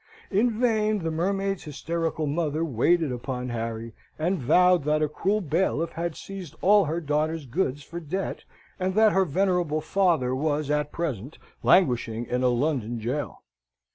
In vain the mermaid's hysterical mother waited upon Harry, and vowed that a cruel bailiff had seized all her daughter's goods for debt, and that her venerable father was at present languishing in a London gaol.